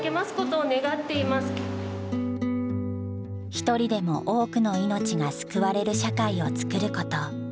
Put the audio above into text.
一人でも多くの命が救われる社会をつくること。